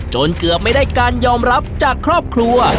เกือบไม่ได้การยอมรับจากครอบครัว